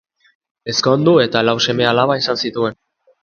Ezkondu eta lau seme-alaba izan zituen.